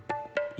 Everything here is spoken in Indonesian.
kapan kau kembali